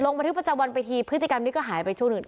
บันทึกประจำวันไปทีพฤติกรรมนี้ก็หายไปช่วงหนึ่ง